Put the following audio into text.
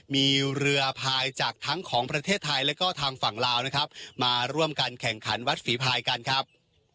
มีเรือพายจากทั้งของประเทศไทยแล้วก็ทางฝั่งลาวนะครับมาร่วมกันแข่งขันวัดฝีพายกันครับ